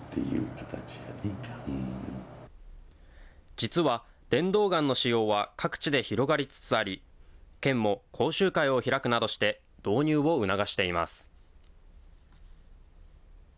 実は、電動ガンの使用は各地で広がりつつあり、県も講習会を開くなどして導入を促しています。